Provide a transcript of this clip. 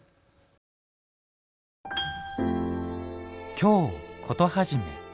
「京コトはじめ」